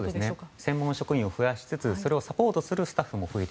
専門職員を増やしつつサポートするスタッフも増やす。